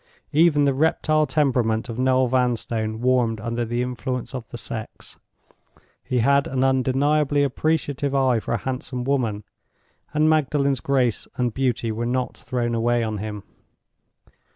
Even the reptile temperament of Noel Vanstone warmed under the influence of the sex: he had an undeniably appreciative eye for a handsome woman, and Magdalen's grace and beauty were not thrown away on him.